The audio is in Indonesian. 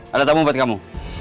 ada tamu obat kamu